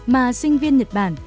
mà sinh viên nhật bản